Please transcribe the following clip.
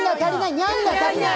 ニャンが足りない！